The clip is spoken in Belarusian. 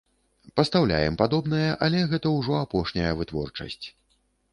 Пастаўляем падобнае, але гэта ўжо апошняя вытворчасць.